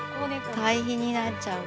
堆肥になっちゃうよ。